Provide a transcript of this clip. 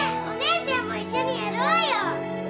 お姉ちゃんも一緒にやろうよ！